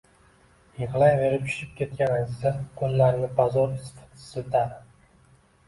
…Yigʼlayverib shishib ketgan Аziza qoʼllarini bazoʼr siltadi.